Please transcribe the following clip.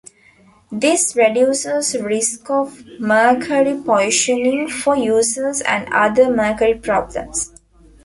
This reduces risk of mercury poisoning for users and other mercury problems.